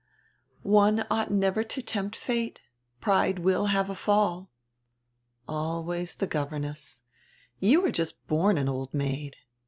"One ought not to tempt fate. Pride will have a fall." "Always the governess. You are just a born old maid."